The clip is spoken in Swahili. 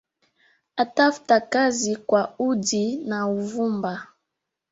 Atafta kazi kwa udi na uvumba